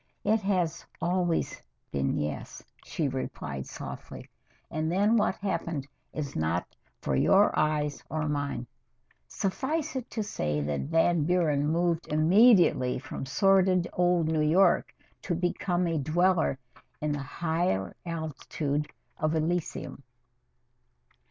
"It has always been yes," she replied softly, and then what happened is not for your eyes or mine. Suffice it to say that Van Buren moved immediately from sordid old New York to become a dweller in the higher altitudes of Elysium.